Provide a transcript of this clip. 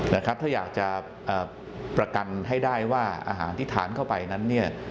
ถ้าอยากจะประกันให้ได้ว่าอาหารที่ทานเข้าไปนั้นเนี่ย